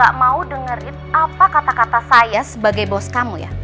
gak mau dengerin apa kata kata saya sebagai bos kamu ya